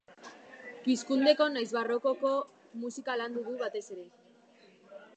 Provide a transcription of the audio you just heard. Pizkundeko nahiz barrokoko musika landu du, batez ere.